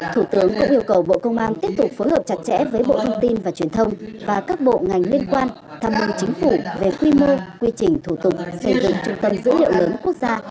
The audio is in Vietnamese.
thủ tướng cũng yêu cầu bộ công an tiếp tục phối hợp chặt chẽ với bộ thông tin và truyền thông và các bộ ngành liên quan tham mưu chính phủ về quy mô quy trình thủ tục xây dựng trung tâm dữ liệu lớn quốc gia